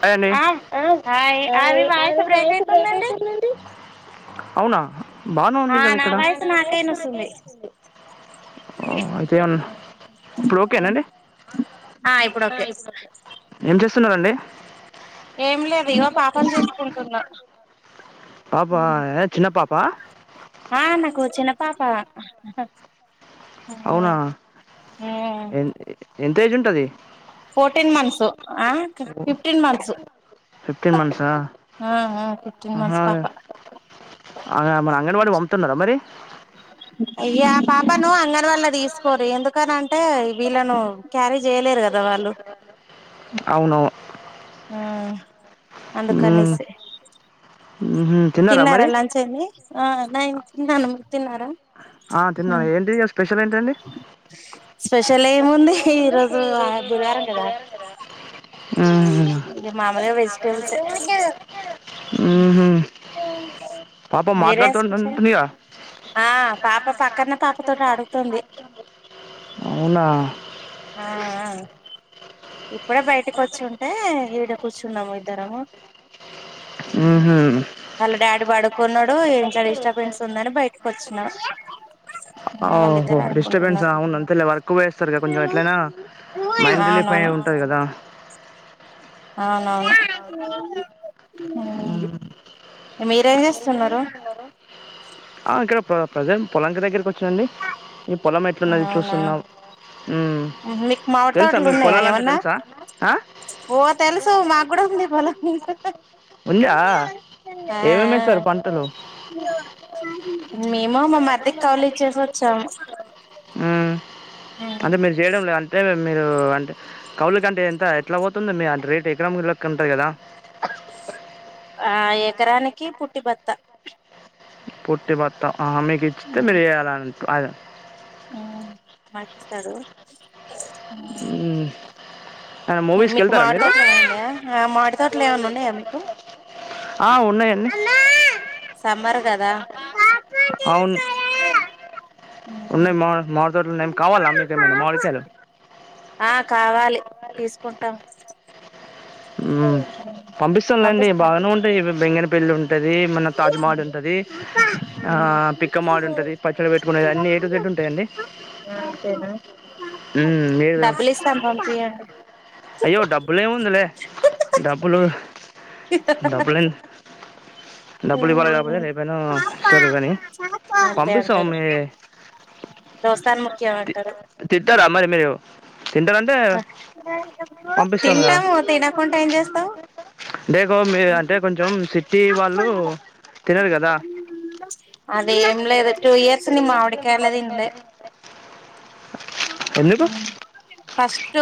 Hi అండి ఆ hi అది వాయిస్ బ్రేక్ అయితుందండి అవునా బానే ఆ ఉంది కదా నా ఇక్కడ వాయిస్ నాకైన వస్తుంది అయితే ఇప్పుడు ఓకేనండి ఆ ఇప్పుడు ఓకే స్తున్నారండి ఏం లేదు ఇగో పాపం చూసుకుంటున్నా పాప ఏ, చిన్న పాప ఆ నాకు చిన్న పాప అవునా ఎ తేజుంటది ఫోర్టీన్ మంత్స్ ఆ ఫిఫ్టీన్ మంత్స్ ఫిఫ్టీన్ మంత్స ఆ ఆ ఫిఫ్టీన్ ఆ మంత్స్ పాప మన అంగన్వాడీకి పంపపుతున్నారా మరి అయ్యా పాప నువ్వు అంగన్ వాల్ళ తీసుకోరు ఎందుకని అంటే వీళ్ళను క్యారేజ్ చేయలేరు కదా వాళ్ళు అవును ఆ అందుకనేసే ఉహు తిన్నారా మరి ఆ నేన్ తిన్నాను మీరు తిన్నారా ఆ తిన్నా ఏంటిీ స్పెషల్ ఏంటి స్పెషల్ ఏముంది ఈరోోజు బుధవారం కదా మ్మ్. ఇది మామూలుగా వెజిటేబుల్స్ ఈ మ్మ్హ. పాప మీరేం స్పెషల్ మాట్లాడుతుంటుందిగా ఆ పాప పక్కన పాప తోటి ఆడుతుంది అవునా ఆ ఇప్పుడే బయటకి వచ్చుంటే ఈడ కూర్చున్నాము ఇద్దరం మ్మ్హ. వాళ్ళ డాడీ పడుకున్నాడు ఏం డిస్టర్బెన్స్ ఉందని బయటకు వచ్చిన ఓహో వాళ్ళిద్దరు డిస్టర్బెన్స్ ఆడుకుంటున్నారు అవును అంతేలే వర్క్ పోయేస్తారు కొంచెం హ్మ్మ్ అవునవును ట్టై కదా అవునవును మీ మీరేం చేస్తున్నారు ఆ ఇక్కడ ప్రజెంట్ పొలాం దగ్గరకి వచ్చాండి పొలం ఎట్లున్నది అవునా చూస్తున్నాం మీకు మామిడి తెలుసా తోటలు మీకు ఉన్నాయా పొలాలంటే ఏమన్నా తెలుసా ఆ ఓ తెలుసు మాకు కూడా ఉంది పొలం ఉందా ఆ ఏమేమి వేస్తారు పంటలు మేము మా మరిదికి కౌలుఇచ్చేసి వచ్చాము హ్మ్. అంటే మీరు చేయడం లేదు అంటేే మీరు అంటే కౌలుక అంటే ఎంత ఎట్లా పోతుందిో మీ అంటే రేటు ఎకరం లెక్క ఉంటుంది కదా ఆ ఎకరానికి పుట్టి భత్త పుట్టి భత్త మీకు ఇచ్చితే మీరు వేయాలిే అ ఉ మాకిస్తాడు మూవీస్కి మీకు వెళ్తారా మీరు మాడితోోట్లు ఏన్నాయా మాడితోోటలు ఏమన్నా ఉన్నాయా మీకు ఆ ఉన్నాయండి సమ్మర్ కదా అవును ఉ మావిడితోటలు ఉన్నాయి కావాలా మీక ఏమైనా మావిడికయలు ఆ కావాలి తీసుకుంటాం ఉ పంపిస్తానులేండి పంపిస్తాను బాగానే ఉంటాయి బెంగన పెళ్లిి ఉంటాయి రే మన తాజ్మహల్ ఉంటది ఆ పిక్క మాడు ఉంటది పచ్చడి పెట్టుకు అన్ని ఏటుట్ ఉంటాయిండి అంతేనా ఉ మీరు డబ్బులు ఇస్తాను పంపియండి అయ్యో డబ్బులే ఉందులే డబ్బులు డబ్బుల యందు ఉ ఇస్తారు కానీ అంతే పంపిస్తాం అంటారు మీ దోస్తాను ముఖ్యమ అంటారు తింటారా మరి మీరు తింటారంటే పంపిస్తానుగా తింటాము తినకుండా ఏం చేస్తావు డేకో మీ అంటే కొంచెం సిటీ వాళ్ళు తినరు కదా అదే లేదు టూ ఇయర్స్ నీ మామిడికాయ తినలే ఎందుకు ఉ ఫస్ట్ లాస్ట్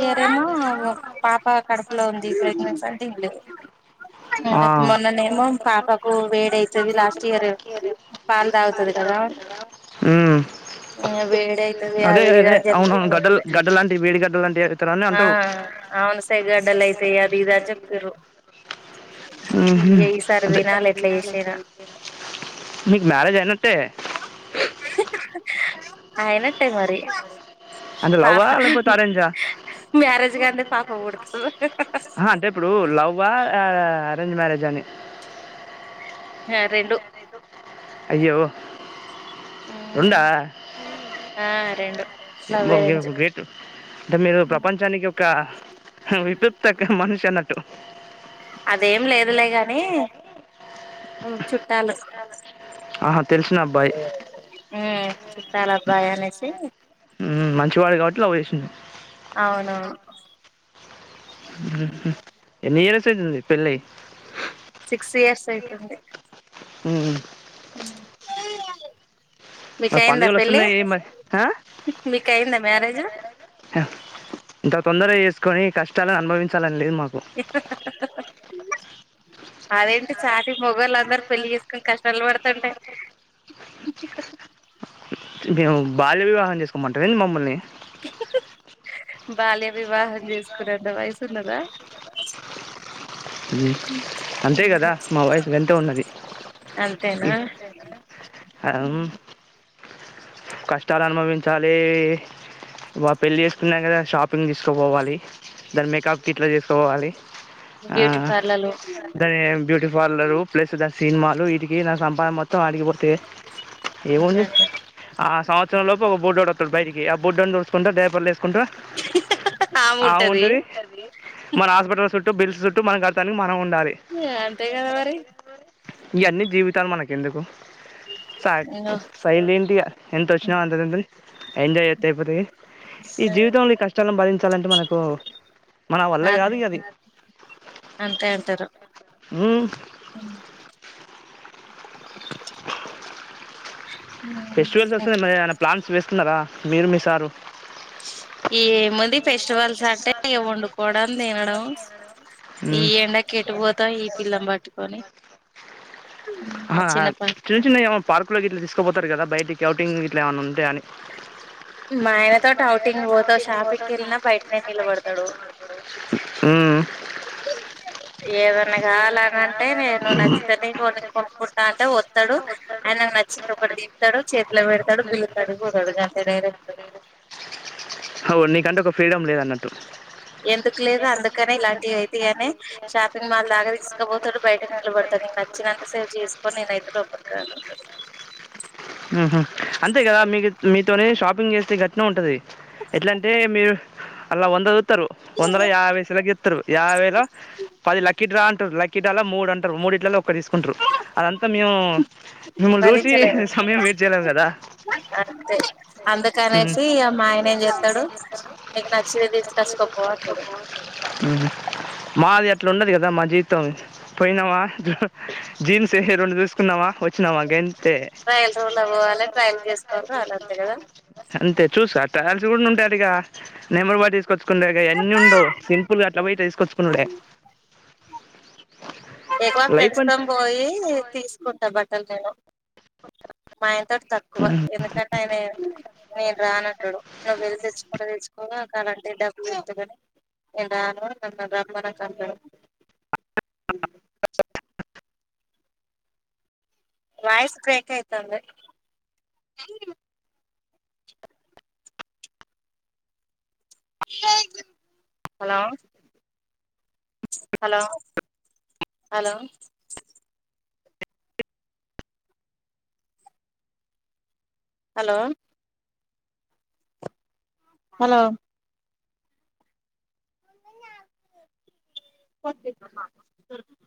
ఇయర్ ఏమో పాప కడపలో ఉంది ప్రెగ్నెన్స్ అని తినలే ఆ ఇంకా మొన్ననే ఏమో పాపకు వేడి అయితుంది లాస్ట్ ఇయర్ పాలు తాగుతుది కదా ఉమ్ వేడి అవుతుది అదే అది ఇది అదే చెప్పి అవునవును గడ్డలు తినలే గడ్డ లాంటివి వేడి గడ్డ లాంటివి అవుతారని ఆ అంటారు అవునసై గడ్డలు అయితాయి అది ఇది అని చెప్పిండ్రు ఉహు ఈసారి అదే తినాలి ఎట్లా చేసే అయినా మీకు మ్యారేజ్ అయినట్టే అయినా అంటే లవ్వా లేకపోతే అరెంజా మ్యారేజ్ కాందే పాప పుడుతది అంటే ఇప్పుడు లవ్ అరెంజ్ మ్యారేజ్ అని రెండు అయ్యో ఉ రెండా ఆ రెండు లవ్ మా అరేంజ్ ఉ గ్రేట్ అంటే మీరు ప్రపంచానికి ఒక విప్క్త మనిషి అన్నట్టు టు అదేం లేదు లే గాని చుట్టాలు ఆహా తెలిసిన అబ్బాయి్ ఉమ్ చుట్టాల అబ్బాయి అనేసి చివాడు కాబట్టి లవ్ చేసిాంది అవునవును ఉహూ ఎన్ని ఇయర్ తుంది పెళ్లి అయ్యి సిక్స్ ఇయర్స్ అయితుంది ఉ ఏ మీకి మరి అయి్యందా పండుగలు పెళ్ళి వస్తున్నాయి ఏం మరి ఆ? మీకి అయి్యందా మ్యారేజ్ తొందర చేసుకొని కష్టాల అనుభవించాలని లేదు మాకు అదేంటి చాటి మొగోళ్ళు అందరు పెళ్లిి చేసుకొని కష్టాలు పడతంటె మేము బాల్య వివాహం చేసుకోమంటారెందీ మమ్మల్ని బాల్య వివాహం చేసుకునే అంత వయసున్నదా మ్మ్ అంతే కదా మా వయసు గంతే ఉన్నది అంతేనా అం కష్టాలు అనుభవించాలి వా పెళ్లిి చేస్తున్నా కదా షాప్ పింగ్ తీస్కపోవాలి. దాన్ మేకప్ కిట్లు తీస్కపోవాలి. ఆ బ్యూటీ పార్లర్లు దాని బ్యూటీ పార్లరు ప్లస్ దాని సినిమాలు వీటికి నా సంపాదన మొత్తం ఆడికిపోతే ఏముంది. ఆ సంవత్సరం లోపు ఒకబుడ్డోడు వస్తాడు బయటికి ఆ బుడ్డోడ్ని చూసుకుంటా డేపర్లు వేసుకుంటా ఆ ఉంటది మన హాస్పిటల్ చు చుట్టు బిల్స్ చుట్టు మన కడతానీ మనం ఉం అంతే కదా మరి ఈయన్ని జీవితాలు మనకెందుకు చక్ సైలెంటిగా ఎంతొచ్చిన అంత తింటు ఎంజాయ్ చెత్తే అయిపోతది. ఈ జీవితంలో ఈ కష్టాలను బరించి తలంటే మనకు మన వల్ల కాదు అదే గది అంతే అంటారు ఉమ్మ్ ఫెస్టివల్స్ వస్తన్నాయ్ మరి ఏమన్న ప్లాన్స్ వేస్తున్నారా మీరు మీ సారు ఏముంది ఫెస్టివల్స్ అంటే ఇగ వండుకోవడం తినడం ఈ ఎండకి ఎటు పోతాం ఈ పిల్లన్పట్టుకొని ఆహా హా ప చిన్న చిన్నవి ఏమైనా పార్క్ లోకి ఇట్లా తీసుకుపోతారు కదా బయటికి స్కౌటింగిట్లా ఏమన్న ఉంటయాఅని మా ఆయనతో డౌటింగ్ పోతా షాపింగ్ కెళ్ళినా బయటనే నిలబడతాడు. ఏదన్నా కావాలనంటే నేను నచ్చితేనే కోనుక్ కొనుక్కుంటా అంటే వత్తడు ఆయనకు నచ్చింది ఒకటి దిత్తడు చేతిలో పెడతాడు బిల్లు కాడికిపోతాడు గంతే డైరెక్ట్ హావ్ నీకంటే ఒక ఫ్రీడం లేదన్నట్టు ఎందుకు లేదు అందుకనే ఇలాంటివి అయితయ్ అనే షాపింగ్ మాల్ దాగా తీసుకపోతాడు బయటకు నిలబడతాడు నీకు నచ్చిన మెసేజ్ చేసుకొని నేనైతే రుబ్బకరానంటడు. తే షాపింగ్ చేస్తే గట్నే ఉంటది. ఎట్లంటే మీరు అలా వంద చు త్తరు. వందల యాబై సెలెక్ట్ చెత్తరు యాబై అయినా పది లక్కీ డ్రా అం లక్ ఇట్ ల మూ అంటారు మూడు ఇట్లా ఒకతిస్ ఉంట్రూ అంటాడు అదంతా మేము మిమ్మల్ని చూసి భరించలేరు సమయం వెయిట్ చేయలేం కదా అంతే అందుకనేసి మా ఆయన ఏం చేస్తాడు నీకు నచ్చింది తీసుకొచ్చుకోపో అంటాడు మాది అట్లా ఉండదు కదా మా జీవితం పోయినావా జీన్స్ రెండు చూసుకున్నావా వ మా గంతే ట్రయల్ రూమ్ లో పోవాలి ట్రయల్ చేసుకోవాలి రావాలి అంతే కదా అంతే చూసా ట్రయల్స్ కూడా ఉంటాయట గ నెంబర్ బట్టి తీసుకోవచ్చు ఎన్న ఉండ స సిపుల్గా ఇలా బయట తీసుకొచ్చుకున్నాడే ఎక్కువ లైఫ్ ఫ్రెండ్స్ క్కం అంటే బోయి తీసుకుంట బట్టల్ తే ను మాయనతోటి తక్కువ ఉమ్ ఎందుకంటే ఆయన నేను రానంటడు నువ్వు వెళ్ళి తెచ్చుకుంటే తెచ్చుకో కావాలాంటే డబ్బులు ఇత్త గని నేను రాను నన్ను రమ్మ నకు అంటడు వయిస్ బ్రేక్ అయితాంది hello hello hello hello hello [unintelligible]